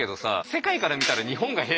世界から見たら日本が「へ」